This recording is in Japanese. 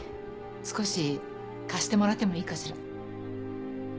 少し貸してもらってもいいかしら？